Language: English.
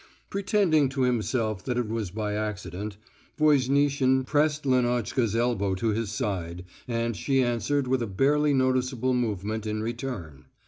Pretending to himself that it was by accident, Voznitsin pressed Lenotchka's elbow to his side, and she answered with a barely noticeable movement in return.